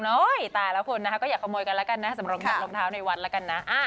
ตายแล้วคุณนะคะก็อย่าขโมยกันแล้วกันนะสำหรับยัดรองเท้าในวัดแล้วกันนะ